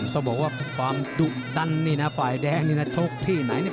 ต้องบอกว่าความดุดันนี่นะฝ่ายแดงนี่นะชกที่ไหนเนี่ย